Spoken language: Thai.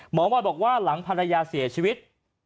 หมอมอยบอกว่าหลังภรรยาเสียชีวิต